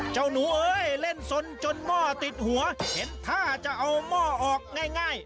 เจ้าหนูเอ้ยเล่นสนจนหม้อติดหัวเห็นท่าจะเอาหม้อออกง่าย